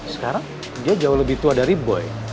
sekarang dia jauh lebih tua dari boy